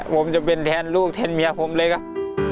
ผมจะเป็นแทนลูกแทนเมียผมเลยครับ